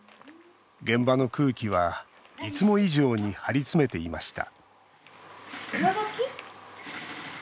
現場の空気はいつも以上に張り詰めていました。